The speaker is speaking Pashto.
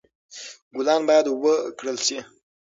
ګلان باید اوبه کړل شي.